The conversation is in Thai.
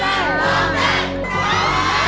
หรอได้ไหม